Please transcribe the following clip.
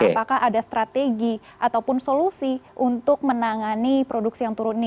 apakah ada strategi ataupun solusi untuk menangani produksi yang turun ini